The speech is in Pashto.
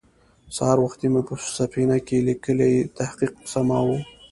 سهار وختې مې په سفينه کې ليکلی تحقيق سماوه.